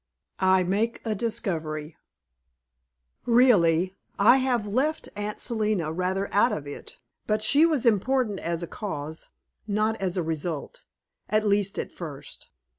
I MAKE A DISCOVERY Really, I have left Aunt Selina rather out of it, but she was important as a cause, not as a result; at least at first.